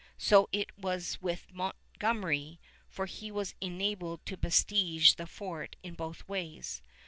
So it was with Montgomery, for he was enabled to besiege the fort in both ways.